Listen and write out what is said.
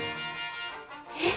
えっ？